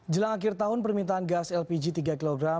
jelang akhir tahun permintaan gas lpg tiga kg